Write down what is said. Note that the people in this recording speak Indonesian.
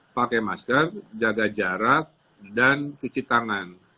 pakai masker jaga jarak dan cuci tangan